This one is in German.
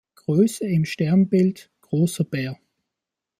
Größe im Sternbild Großer Bär.